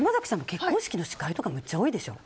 結婚式の司会とかめっちゃ多いでしょ。